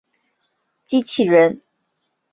机器人。